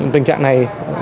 tình trạng này